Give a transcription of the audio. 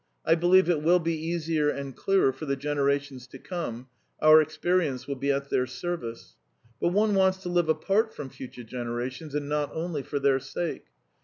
"I believe it will be easier and clearer for the generations to come; our experience will be at their service. But one wants to live apart from future generations and not only for their sake.